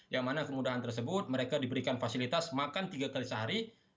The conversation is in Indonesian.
yang mana kemudahan tersebut mereka diberikan fasilitas makan tiga kali sehari